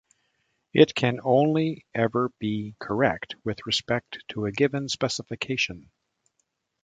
It can only ever be "correct with respect to a given specification".